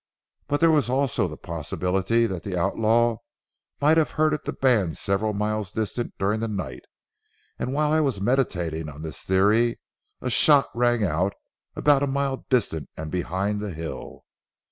But there was also the possibility that the outlaw might have herded the band several miles distant during the night, and while I was meditating on this theory, a shot rang out about a mile distant and behind the hill.